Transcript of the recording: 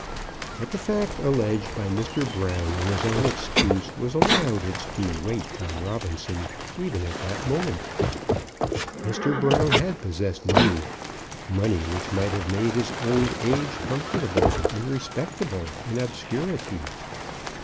But the fact alleged by Mr. Brown in his own excuse was allowed its due weight by Robinson, even at that moment. Mr. Brown had possessed money, money which might have made his old age comfortable and respectable in obscurity.